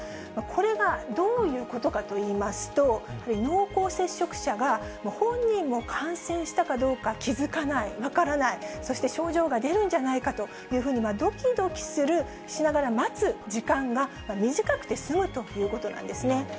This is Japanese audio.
これがどういうことかといいますと、濃厚接触者が本人も感染したかどうか気付かない、分からない、そして症状が出るんじゃないかというふうにどきどきしながら待つ時間が短くてすむということなんですね。